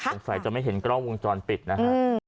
สงสัยจะไม่เห็นกล้องวงจรปิดนะฮะ